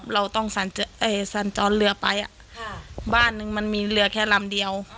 เราต้องเอ่ยสั่นจอดเรือไปอ่ะค่ะบ้านหนึ่งมันมีเรือแค่รำเดียวอ๋อ